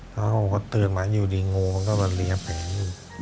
แล้วผมก็ตื่นมาอยู่ดีงูก็เรียบแผลนี่